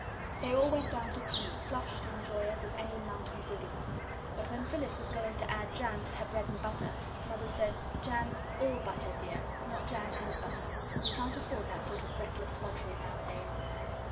They all went down to tea flushed and joyous as any mountain brigands. But when Phyllis was going to add jam to her bread and butter, Mother said: "Jam OR butter, dear not jam AND butter. We can't afford that sort of reckless luxury nowadays."